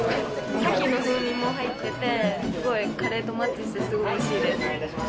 カキの風味がすごい、カレーとマッチして、すごいおいしいです。